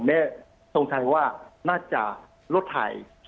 แม่สงสัยว่าน่าจะรถถ่าย